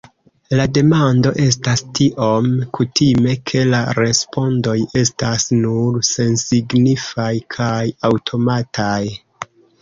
La demando estas tiom kutime, ke la respondoj estas nur sensignifaj kaj aŭtomataj.